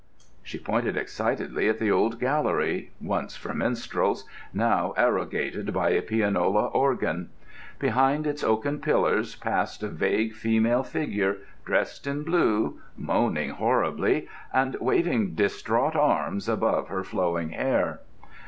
She pointed excitedly at the old gallery, once for minstrels, now arrogated by a pianola organ. Behind its oaken pillars passed a vague female figure, dressed in blue, moaning horribly, and waving distraught arms above her flowing hair.